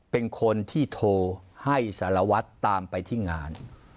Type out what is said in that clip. เป็นคนที่โทรให้สารวัตรตามไปที่งาน